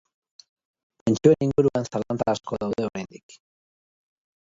Pentsioen inguruan zalantza asko daude oraindik.